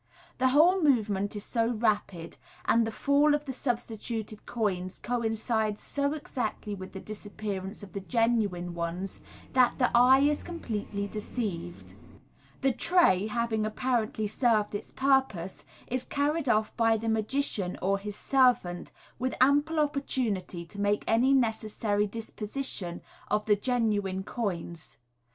The whole movement is so rapid, and the fall of the substituted coins coincides so exactly with the disappearance of the genuine ones, that the eye is completely deceived. The tray, having apparently served its purpose, is carried off by the magician or his servant, with ample opportunity to make any necessary disposition of the genuine coins.